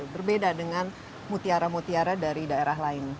berbeda dengan mutiara mutiara dari daerah lain